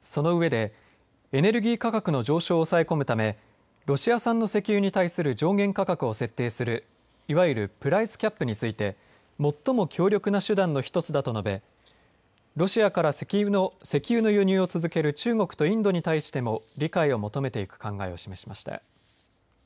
その上で、エネルギー価格の上昇を抑え込むためロシア産の石油に対する上限価格を設定するいわゆるプライスキャップについて最も強力な手段の一つだと述べロシアから石油の輸入を続ける中国とインドに対しても理解を求めていく考えを示しました。